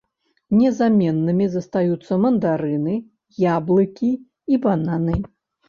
Незаменнымі застаюцца мандарыны, яблыкі і бананы.